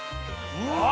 うわ！